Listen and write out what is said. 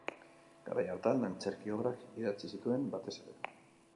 Garai hartan antzerki obrak idatzi zituen, batez ere.